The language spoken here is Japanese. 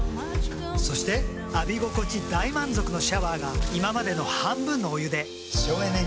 そして浴び心地大満足のシャワーが今までの半分のお湯で省エネに。